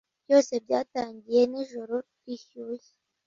Byose byatangiye nijoro rishyushye